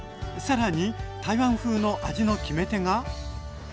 さらに台湾風の味の決め手が。